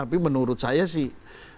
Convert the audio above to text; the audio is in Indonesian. tapi menurut saya sih